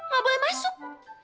gak boleh masuk